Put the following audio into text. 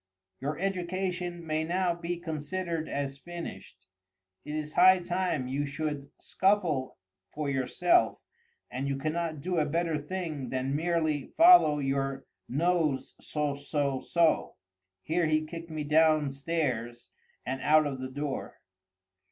] "Your education may now be considered as finished—it is high time you should scuffle for yourself—and you cannot do a better thing than merely follow your nose—so—so—so—" [Here he kicked me downstairs and out of the door.